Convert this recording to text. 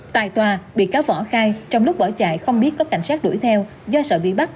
tại tòa bị cáo võ khai trong lúc bỏ chạy không biết có cảnh sát đuổi theo do sợ bị bắt